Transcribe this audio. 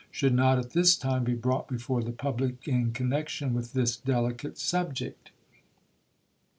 should not at this time be brought before the public in 375." connection with this delicate subject.